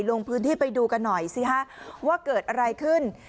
ลงพื้นที่ไปดูกันหน่อยสิฮะว่าเกิดอะไรขึ้น